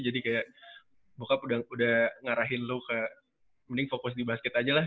jadi kayak bokap udah ngarahin lu ke mending fokus di basket aja lah